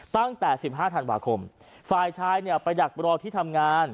ตั้งแต่๑๕ธันวาคมฝ่ายชายเนี่ยไปดักรอที่ทำงาน